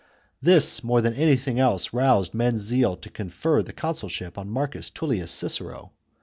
This, more than anything else, roused men's zeal to confer the consulship on Marcus Tullius Cicero.